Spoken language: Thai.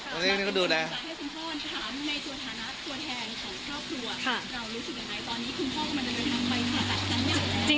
วันนี้ก็ดูได้